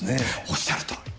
おっしゃるとおり！